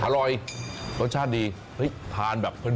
อร่อยรสชาติดีเฮ้ยทานแบบเพลิน